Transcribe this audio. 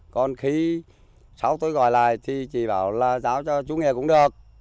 còn khi sau tôi gọi lại thì chị bảo là giao cho chú nghĩa cũng được